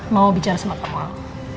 mau bicara sama kamu